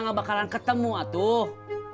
gak bakalan ketemu atuh